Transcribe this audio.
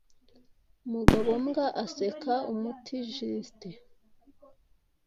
• umugabo mbwa aseka umutijiste